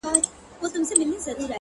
• قېمتي نوي جامې یې وې په ځان کي ,